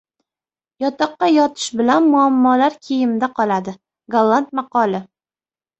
Yotoqqa yotish bilan muammolar kiyimda qoladi. Golland maqoli